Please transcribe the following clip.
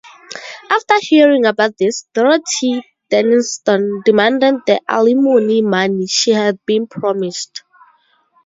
After hearing about this, Dorothy Dennistoun demanded the alimony money she had been promised.